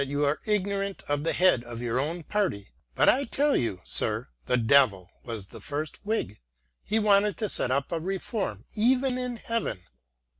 SAMUEL JOHNSON 41 are ignorant of the head of your own party, but I will tell you, sir, the Devil was the first Whig ; he wanted to set up a reform even in Heaven."